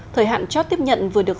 thời hạn cho tiếp nhận vừa được